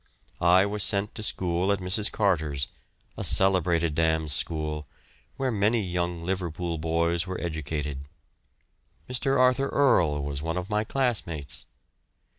I was sent to school at Mrs. Carter's, a celebrated dame's school, where many young Liverpool boys were educated. Mr. Arthur Earle was one of my classmates.